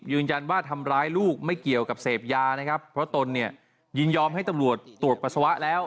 ยืนยันว่าทำร้ายลูกไม่เกี่ยวกับเสพยานะครับเพราะตนเนี่ยยินยอมให้ตำรวจตรวจปัสสาวะแล้ว